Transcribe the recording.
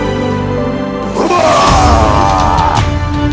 kepala kujang kempar